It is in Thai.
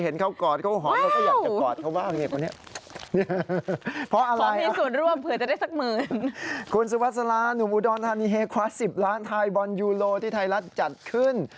หนุ่มอุดรธานีเฮคว้า๑๐ล้านไทยบอนยูโรที่ไทยรัฐจัดขึ้น